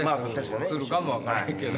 うつるかも分からへんけど。